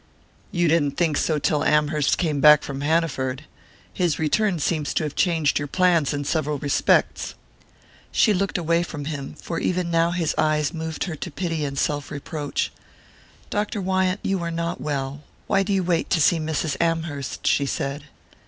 "You didn't think so till Amherst came back from Hanaford. His return seems to have changed your plans in several respects." She looked away from him, for even now his eyes moved her to pity and self reproach. "Dr. Wyant, you are not well; why do you wait to see Mrs. Amherst?" she said.